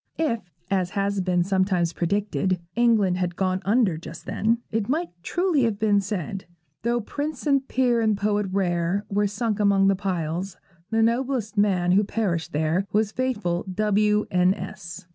If, as has been sometimes predicted, England had gone under just then, it might truly have been said, Though prince and peer and poet rare Were sunk among the piles, The noblest man who perished there Was faithful W. N s.